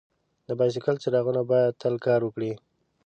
د بایسکل څراغونه باید تل کار وکړي.